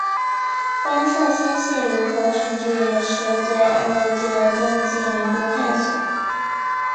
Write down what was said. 观测星系如何群聚也是对暗物质的更进一步探索。